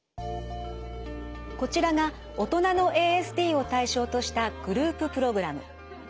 こちらが大人のＡＳＤを対象としたグループプログラム。